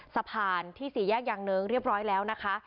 สะพานที่สี่แยกยางเนิ้งเรียบร้อยแล้วนะคะ